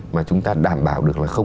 mà chúng ta đảm bảo được là không